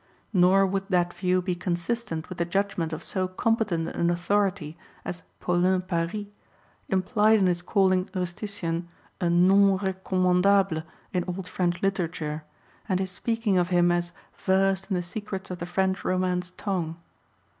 Nor would that view be consistent with the judgment of so competent an authority as Paulin Paris, impHed in his calling Rustician a nom recommandable in old French literature, and his speaking of him as "versed in the secrets of the French Romance Tongue."